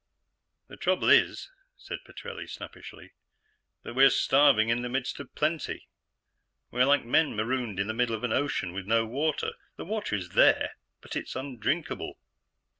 "The trouble is," said Petrelli snappishly, "that we are starving in the midst of plenty. We are like men marooned in the middle of an ocean with no water; the water is there, but it's undrinkable."